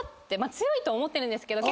強いと思ってるんですけど。